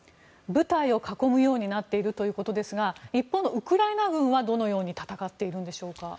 部隊を囲むようになっているということですが一方のウクライナ軍はどのように戦っているんでしょうか。